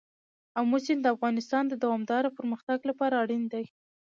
آمو سیند د افغانستان د دوامداره پرمختګ لپاره اړین دی.